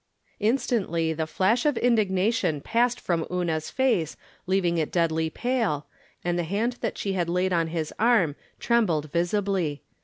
Instantly the flush of indignation passed from Una's face, leaving it deadly pale, and the hand that she laid on his arm trembled visibly.